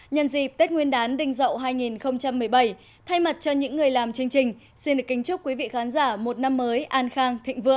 nhân dịp tết nguyên đán đình dậu hai nghìn một mươi bảy thay mặt cho những người làm chương trình xin được kính chúc quý vị khán giả một năm mới an khang thịnh vượng